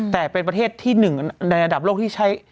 แต่เป็นประเทศที่หนึ่งในระดับโลกที่ใช้